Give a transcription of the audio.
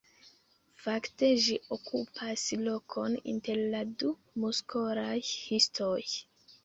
Fakte ĝi okupas lokon inter la du muskolaj histoj.